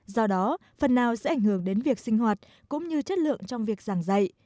do đó phần nào sẽ ảnh hưởng đến việc sinh hoạt cũng như chất lượng trong việc giảng dạy